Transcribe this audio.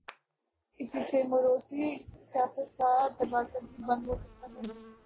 اسی سے موروثی سیاست کا دروازہ بھی بند ہو سکتا ہے۔